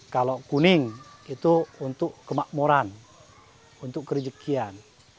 kalau kuning itu untuk kemakmuran untuk kerejekian